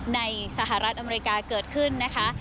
สหรัฐอเมริกาเกิดขึ้นนะคะ